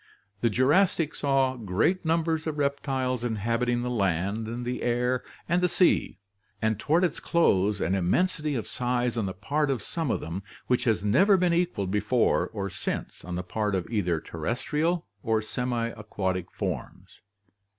The Jurassic saw great numbers of reptiles inhabiting the land, the air, and the sea, and toward its close an immensity of size on the part of some of them which has never been equalled before or since on the part of either terrestrial or semiaquatic forms.